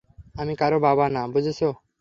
আমি কারো বাবা না, বুঝেছ।